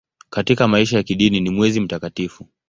Katika maisha ya kidini ni mwezi mtakatifu.